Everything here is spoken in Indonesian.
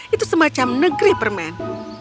itu semacam negeri permen